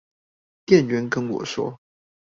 店員跟我說